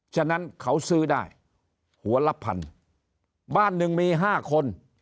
ฉะนั้นเขาซื้อได้หัวละพันบ้านหนึ่งมีห้าคน